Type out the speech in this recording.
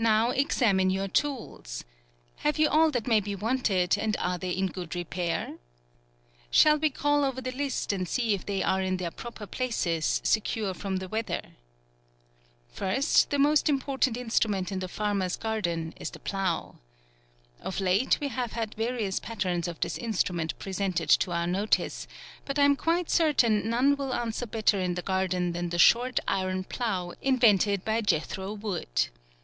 Now examine your tools. Have you all that may be wanted, and are they in good repair. Shall we call over the list, and see if they arc in their proper places, secure from FEBRUARY. 2? the weather. First, the most important instru ment in the farmers garden 1 , is the plough. Of late we have had various patterns of ihis instrument presented to our notice, but I am quite certain, none will answer better in the garden than the short iron plough, invented by Jethro Wood.